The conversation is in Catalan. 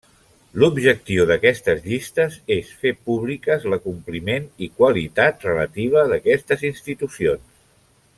L'objectiu d'aquestes llistes és fer públiques l'acompliment i qualitat relativa d'aquestes institucions.